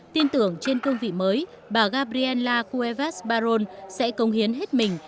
tin tưởng trên cương vị mới bà gabriella cuevas barón sẽ công hiến hết mình